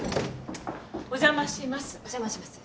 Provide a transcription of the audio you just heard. お邪魔します。